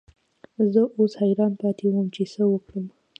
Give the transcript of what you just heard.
زه اوس حیران پاتې وم چې څه وکړم.